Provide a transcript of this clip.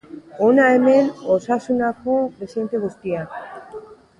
Hona hemen Osasunako presidente guztiak.